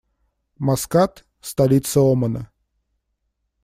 Маскат - столица Омана.